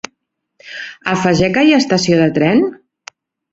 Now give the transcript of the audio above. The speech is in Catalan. A Fageca hi ha estació de tren?